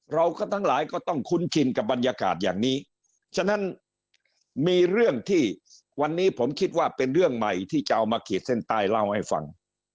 เราก็ทั้งหลายก็ต้องคุ้นชินกับบรรยากาศอย่างนี้ฉะนั้นมีเรื่องที่วันนี้ผมคิดว่าเป็นเรื่องใหม่ที่จะเอามาขีดเส้นใต้เล่าให้ฟัง